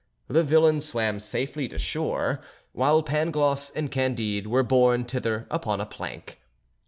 The villain swam safely to the shore, while Pangloss and Candide were borne thither upon a plank.